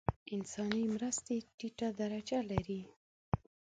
انساني مرستې ټیټه درجه لري.